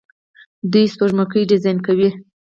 دوی سپوږمکۍ ډیزاین کوي.